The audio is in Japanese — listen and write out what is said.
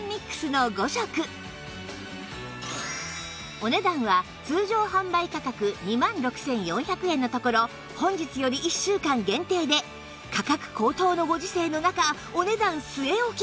お値段は通常販売価格２万６４００円のところ本日より１週間限定で価格高騰のご時世の中お値段据え置き